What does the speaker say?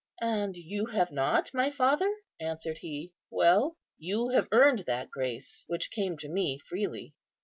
"And you have not, my father?" answered he; "well, you have earned that grace which came to me freely."